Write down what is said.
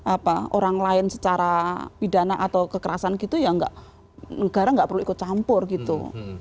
apa orang lain secara pidana atau kekerasan gitu ya negara nggak perlu ikut campur gitu